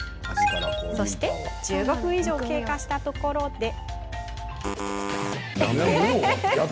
そして１５分以上経過したところで。